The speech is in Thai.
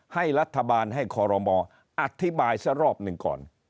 ให้รัฐบาลให้คอรมออธิบายซะรอบหนึ่งก่อน